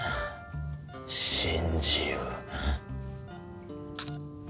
信じよう。